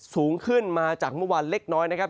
สูงขึ้นมาจากเมื่อวานเล็กน้อยนะครับ